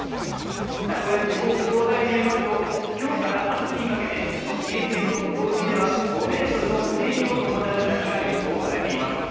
名古屋地方気象台によりますと今日から明日にかけて三重県の外海では５ｍのうねりを伴う波が予想されています。